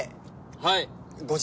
はい！